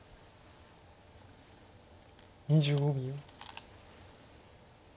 ２５秒。